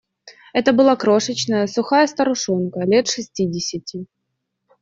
Это была крошечная, сухая старушонка, лет шестидесяти.